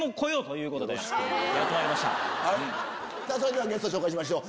それではゲスト紹介しましょう。